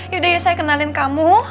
yaudah yuk saya kenalin kamu